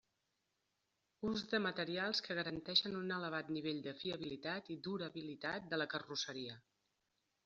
Ús de materials que garanteixen un elevat nivell de fiabilitat i durabilitat de la carrosseria.